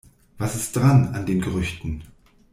Was ist dran, an den Gerüchten?